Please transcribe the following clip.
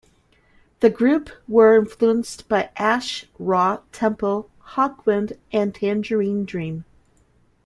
The group were influenced by Ash Ra Tempel, Hawkwind and Tangerine Dream.